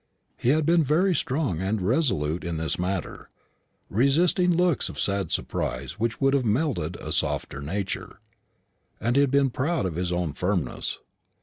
He had been very strong and resolute in this matter resisting looks of sad surprise which would have melted a softer nature. And he had been proud of his own firmness.